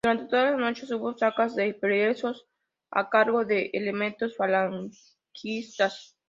Durante todas las noches hubo sacas de presos a cargo de elementos falangistas.